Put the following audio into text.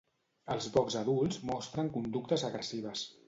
Els bocs adults mostren conductes agressives.